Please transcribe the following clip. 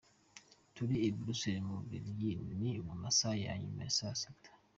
Turi I Buruseli mu Bubiligi, ni mu saha ya nyuma ya saa sita